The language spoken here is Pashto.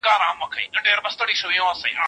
پاڅېږه او کار وکړه.